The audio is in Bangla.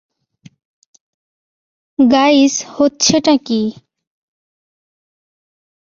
গাইজ, হচ্ছেটা কী?